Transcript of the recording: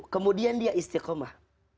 kemudian dia istiqomah